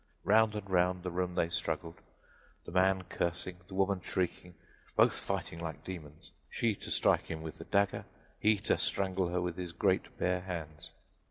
Round and round, the room they struggled, the man cursing, the woman shrieking, both fighting like demons she to strike him with the dagger, he to strangle her with his great bare hands.